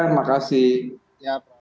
makasih thank you ferry makasih